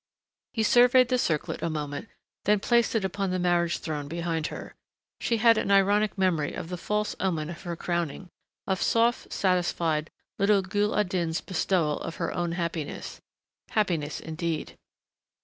He surveyed the circlet a moment then placed it upon the marriage throne behind her. She had an ironic memory of the false omen of her crowning, of soft, satisfied little Ghul al Din's bestowal of her own happiness.... Happiness, indeed....